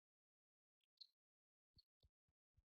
مور په کور کې سابه کري.